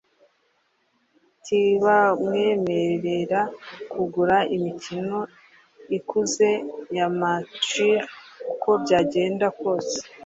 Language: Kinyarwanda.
tibamwemerera kugura imikino ikuze ya Mature uko byagenda kose.